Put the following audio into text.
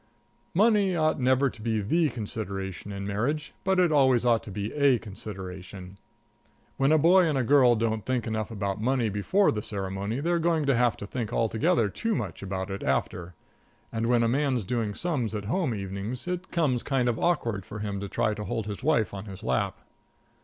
Money ought never to be the consideration in marriage, but it always ought to be a consideration. When a boy and a girl don't think enough about money before the ceremony, they're going to have to think altogether too much about it after; and when a man's doing sums at home evenings, it comes kind of awkward for him to try to hold his wife on his lap.